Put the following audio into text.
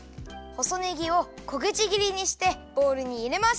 細ねぎをこぐちぎりしてボウルにいれます。